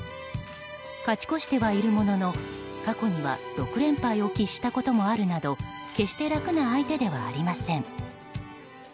勝ち越してはいるものの過去には６連敗を喫したこともあるなど決して楽な相手ではありません。